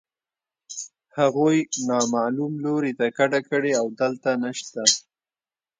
هغوی نامعلوم لوري ته کډه کړې او دلته نشته